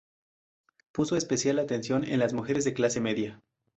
Puso especial atención en las mujeres de clase media.